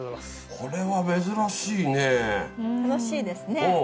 これは珍しいね楽しいですね